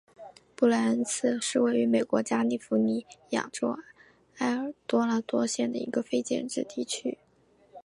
布赖恩茨是位于美国加利福尼亚州埃尔多拉多县的一个非建制地区。